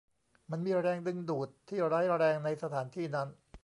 มันมีแรงดึงดูดที่ร้ายแรงในสถานที่นั้น